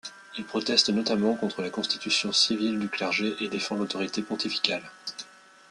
Il proteste notamment contre la Constitution civile du clergé et défend l'autorité pontificale.